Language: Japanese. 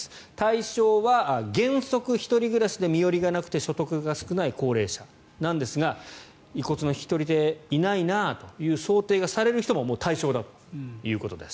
対象は原則１人暮らしで身寄りがなくて所得が少ない高齢者なんですが遺骨の引き取り手いないなという想定がされる人も対象だということです。